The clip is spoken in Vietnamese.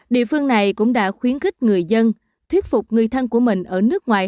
địa phương này cũng đã khuyến khích người dân thuyết phục người thân của mình ở nước ngoài